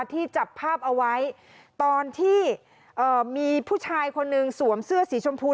ที่จับภาพเอาไว้ตอนที่มีผู้ชายคนหนึ่งสวมเสื้อสีชมพู